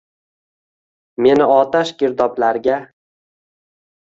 Meni otash, girdoblarga